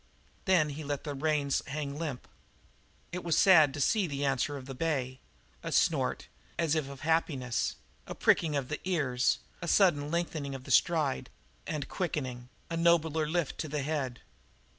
Then he let the reins hang limp. It was sad to see the answer of the bay a snort, as if of happiness; a pricking of the ears; a sudden lengthening of stride and quickening; a nobler lift to the head.